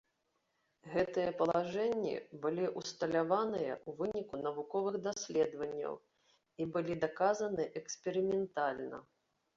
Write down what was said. Гэтыя палажэнні былі ўсталяваныя ў выніку навуковых даследаванняў і былі даказаны эксперыментальна.